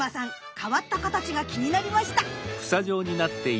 変わった形が気になりました。